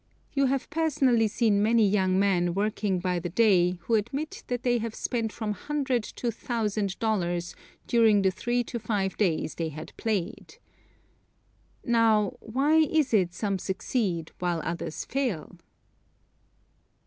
You have personally seen many young men working by the day who admit that they have spent from $100 to $1,000 during the three to five years they had played. Now, why is it some succeed while others fail?